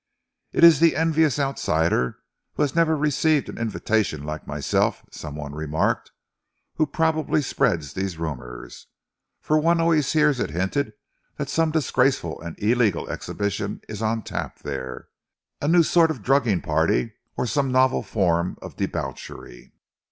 "It is the envious outsider who has never received an invitation, like myself," some one remarked, "who probably spreads these rumours, for one always hears it hinted that some disgraceful and illegal exhibition is on tap there a new sort of drugging party, or some novel form of debauchery."